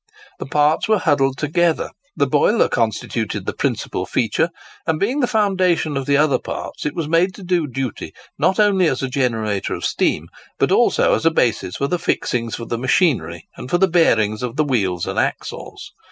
The parts were huddled together. The boiler constituted the principal feature; and being the foundation of the other parts, it was made to do duty not only as a generator of steam, but also as a basis for the fixings of the machinery and for the bearings of the wheels and axles.